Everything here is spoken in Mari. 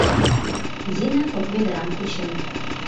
Зина кок ведрам кучен.